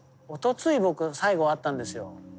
おとつい僕最後会ったんですよ。